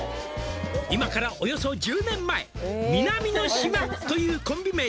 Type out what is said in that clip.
「今からおよそ１０年前」「みなみのしまというコンビ名で」